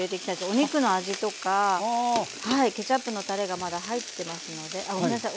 お肉の味とかケチャップのたれがまだ入ってますのであっごめんなさい。